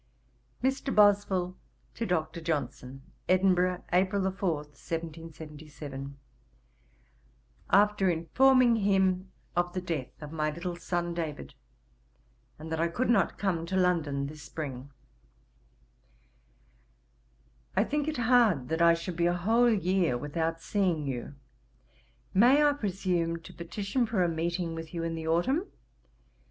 'MR. BOSWELL TO DR. JOHNSON. 'Edinburgh, April 4, 1777. [After informing him of the death of my little son David, and that I could not come to London this spring: ] 'I think it hard that I should be a whole year without seeing you. May I presume to petition for a meeting with you in the autumn?